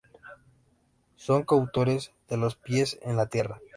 Son coautores de "Los pies en la tierra.